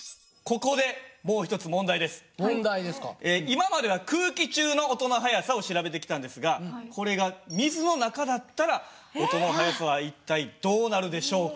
今までは空気中の音の速さを調べてきたんですがこれが水の中だったら音の速さは一体どうなるでしょうか？